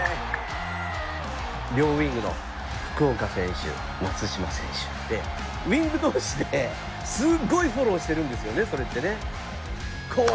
両ウイングの福岡選手松島選手。でウイング同士ですごいフォローしてるんですよねそれってね。